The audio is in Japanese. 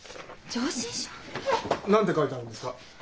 上申書？何て書いてあるんですか？